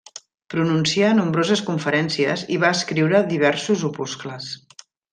Pronuncià nombroses conferències i va escriure diversos opuscles.